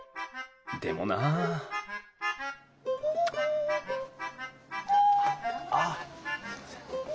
でもなあっすみません。